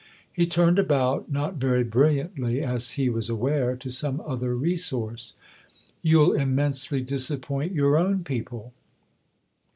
He turned about, not very brilliantly, as he was aware, to some other resource. " You'll immensely disappoint your own people."